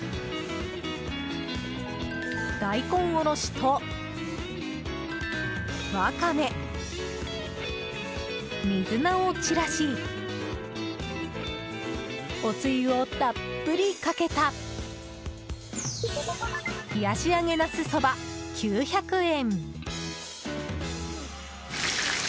大根おろしとワカメ水菜を散らしおつゆをたっぷりかけた冷し揚げなすそば、９００円。